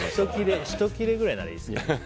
ひと切れくらいならいいですよね。